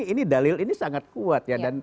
ini dalil ini sangat kuat ya